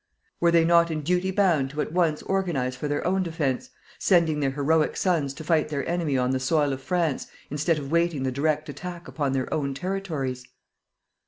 Were they not in duty bound to at once organize for their own defence, sending their heroic sons to fight their enemy on the soil of France, instead of waiting the direct attack upon their own territories!